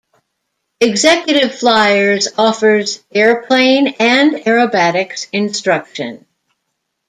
Executive Flyers offers airplane and aerobatics instruction.